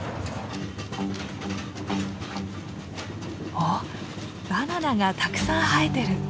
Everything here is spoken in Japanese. おバナナがたくさん生えてる。